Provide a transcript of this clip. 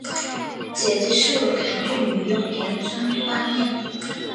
姐姐是舞台剧女优田村花恋。